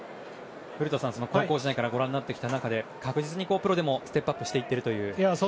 古田さん、高校時代からご覧になってきた中で確実にプロでもステップアップしているという。